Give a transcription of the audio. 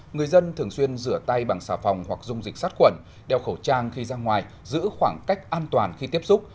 người dân thường xuyên rửa tay bằng xà phòng hoặc dung dịch sát quẩn đeo khẩu trang khi ra ngoài giữ khoảng cách an toàn khi tiếp xúc